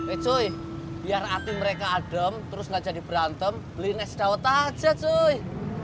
eh cuy biar hati mereka adem terus gak jadi berantem beli nasi daun aja cuy